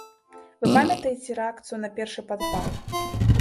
Вы памятаеце рэакцыю на першы падпал?